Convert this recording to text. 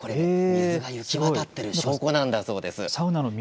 水が行き渡っている証拠なんだそうです。